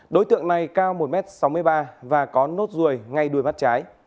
đối tượng này cao một m sáu mươi ba và có nốt ruồi ngay đuôi mắt trái